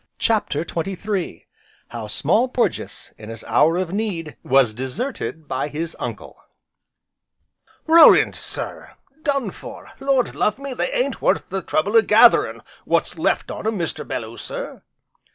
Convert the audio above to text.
CHAPTER XXIII How Small Porges, in his hour of need, was deserted by his Uncle "Ruined, sir! Done for! Lord love me! they ain't worth the trouble o? gatherin' w'ot's left on 'em, Mr. Belloo sir."